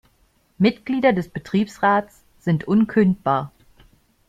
Mitglieder des Betriebsrats sind unkündbar.